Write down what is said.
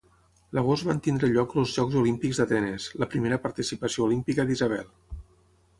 L'agost van tenir lloc els Jocs Olímpics d'Atenes, la primera participació olímpica d'Isabel.